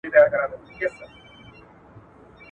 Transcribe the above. که نجونې ښوونځي ته نه ځي، کورني اختلافات ډېرېږي.